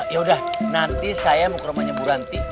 yaudah nanti saya mau ke rumahnya bu ranti